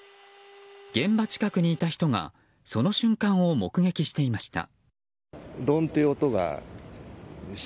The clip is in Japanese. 現場近くにいた人がその瞬間を目撃していました。